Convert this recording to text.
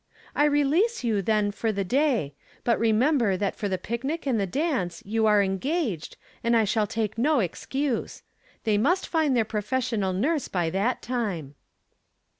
I release you, then, for the day; but rememoer that for the picnic and the dance you are engaged, and I shall take no excuse. They must find their professional nurse by that time."